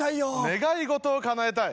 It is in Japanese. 願い事をかなえたい？